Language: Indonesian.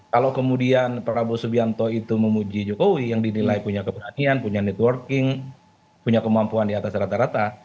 kalau kemudian prabowo subianto itu memuji jokowi yang dinilai punya keberanian punya networking punya kemampuan di atas rata rata